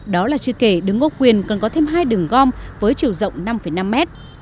đó là chưa kể đường ngô quyền còn có thêm hai đường gom với chiều rộng năm năm mét